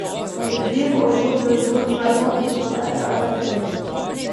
Ils vivent au jour le jour, croyant qu'ils vont être arrêtés.